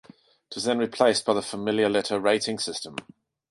It was then replaced by the familiar letter rating system.